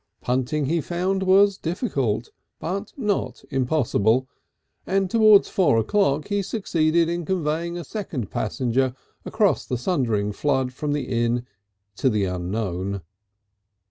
Punting he found was difficult, but not impossible, and towards four o'clock he succeeded in conveying a second passenger across the sundering flood from the inn to the unknown.